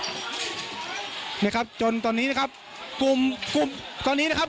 นะครับจนตอนนี้นะครับกลุ่มกลุ่มตอนนี้นะครับ